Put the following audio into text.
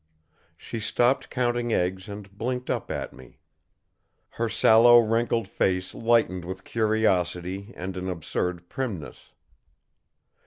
She stopped counting eggs and blinked up at me. Her sallow, wrinkled face lightened with curiosity and an absurd primness.